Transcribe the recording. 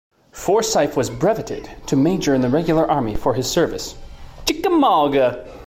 Forsyth was brevetted to major in the Regular Army for his service Chickamauga.